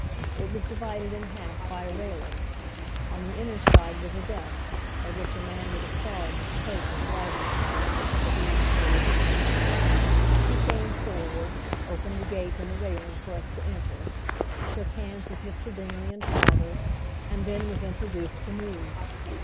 It was divided in half by a railing; on the inner side was a desk, at which a man with a star on his coat was writing under the light of a green shaded lamp. He came forward, opened a gate in the railing for us to enter, shook hands with Mr. Dingley and father, and then was introduced to me.